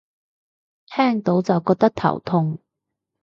聽到就覺得頭痛